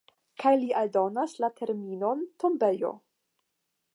Kaj li aldonas la terminon "tombejo".